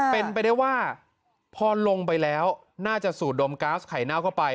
เป็นไปได้ว่าพอลงไปแล้วน่าจะสูดดมก๊าซไข่เน่าเข้าไป